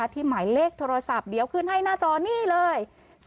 หมายเลขโทรศัพท์เดี๋ยวขึ้นให้หน้าจอนี่เลย